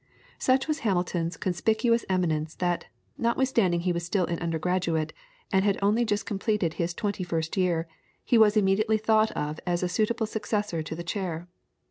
Such was Hamilton's conspicuous eminence that, notwithstanding he was still an undergraduate, and had only just completed his twenty first year, he was immediately thought of as a suitable successor to the chair.